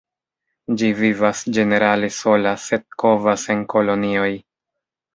Ĝi vivas ĝenerale sola, sed kovas en kolonioj.